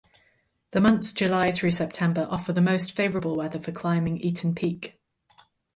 The months July through September offer the most favorable weather for climbing Eaton Peak.